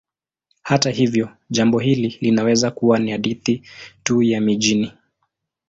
Hata hivyo, jambo hili linaweza kuwa ni hadithi tu ya mijini.